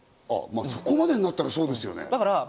そこまでになったら、そうですよね。